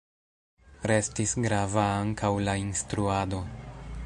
Restis grava ankaŭ la instruado.